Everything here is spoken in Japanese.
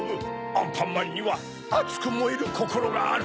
アンパンマンにはあつくもえるこころがある。